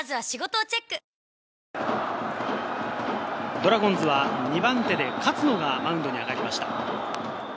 ドラゴンズは２番手で勝野がマウンドに上がりました。